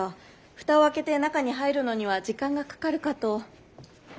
蓋を開けて中に入るのには時間がかかるかと。